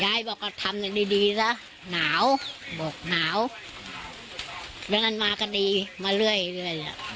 ยายบอกก็ทำอย่างดีดีซะหนาวบอกหนาวไม่งั้นมาก็ดีมาเรื่อยเรื่อย